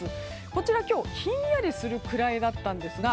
こちら、今日ひんやりするくらいだったんですが